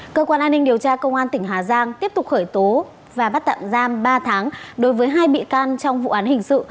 cơ quan an ninh điều tra công an tỉnh hà giang tiếp tục khởi tố và bắt tạm giam ba tháng đối với hai bị can trong vụ án hình sự